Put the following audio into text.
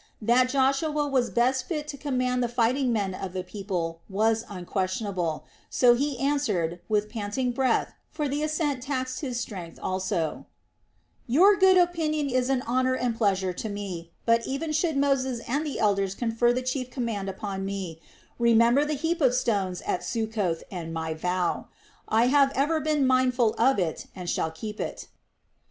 That Joshua was best fitted to command the fighting men of the people was unquestionable, so he answered, with panting breath, for the ascent taxed his strength also: "Your good opinion is an honor and a pleasure to me; but even should Moses and the elders confer the chief command upon me, remember the heap of stones at Succoth and my vow. I have ever been mindful of and shall keep it."